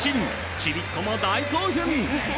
ちびっこも大興奮。